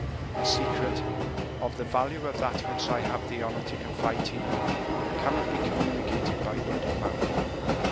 "A secret of the value of that which I have the honor to confide to you cannot be communicated by word of mouth.